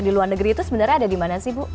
di luar negeri itu sebenarnya ada di mana sih bu